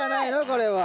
これは。